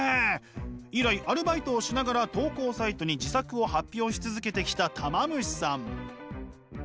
以来アルバイトをしながら投稿サイトに自作を発表し続けてきたたま虫さん。